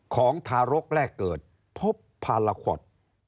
ของทารกแรกเกิดพบภาระขวด